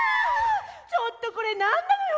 ちょっとこれなんなのよ